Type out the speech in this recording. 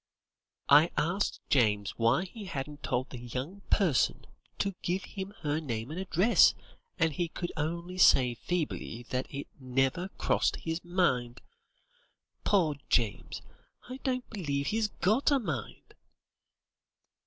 "I asked James why he hadn't told the 'young person' to give him her name and address, and he could only say feebly that 'it never crossed his mind.' Poor James, I don't believe he's got a mind."